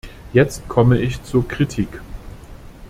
Jetzt komme ich zur Kritik.